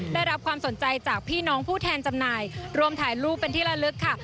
ได้รับความสนใจจากพี่น้องผู้แทนจำหน่ายรวมถ่ายรูปเป็นที่ละลึกค่ะ